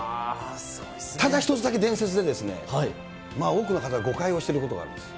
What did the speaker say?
ただ一つだけ伝説で、多くの方、誤解をしていることがあるんです。